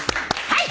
はい！